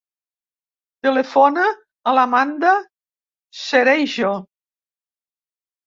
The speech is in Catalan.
Telefona a l'Amanda Cereijo.